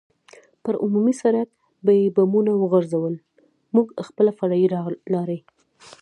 پر عمومي سړک به یې بمونه وغورځول، موږ خپله فرعي لارې.